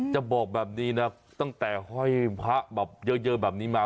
จะบอกแบบนี้นะตั้งแต่ห้อยพระแบบเยอะแบบนี้มา